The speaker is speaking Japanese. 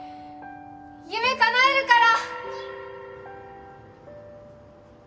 夢かなえるから！